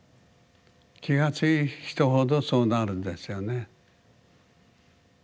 気が強い人ほどそうなるんですよね。